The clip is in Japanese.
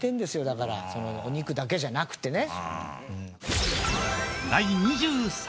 だからそのお肉だけじゃなくてね。